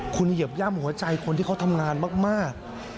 คุณเหยียบย่ำหัวใจคนที่เขาทำงานมาก